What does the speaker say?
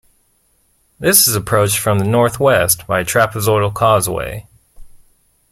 This is approached from the north west by a trapezoidal causeway.